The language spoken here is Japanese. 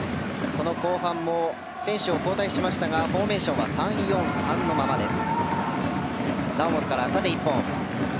この後半も選手を交代しましたがフォーメーションは３−４−３のままです。